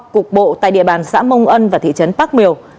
cục bộ tại địa bàn xã mông ân và thị trấn bắc miều